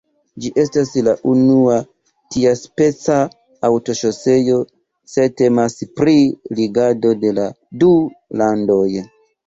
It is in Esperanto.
Ĝi estas la unua tiaspeca aŭtoŝoseo se temas pri ligado de la du landoj.